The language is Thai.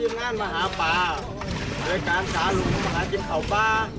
ว่าจับมหาปลาเมืองนี้จะต้องพูดไงครับ